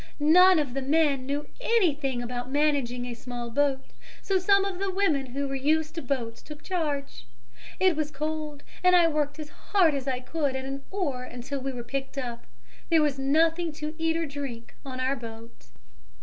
None of the men knew anything about managing a small boat, so some of the women who were used to boats took charge. "It was cold and I worked as hard as I could at an oar until we were picked up. There was nothing to eat or drink on our boat."